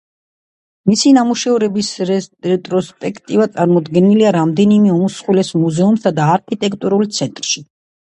მისი ნამუშევრების რეტროსპექტივა წარმოდგენილია რამდენიმე უმსხვილეს მუზეუმსა და არქიტექტურულ ცენტრში.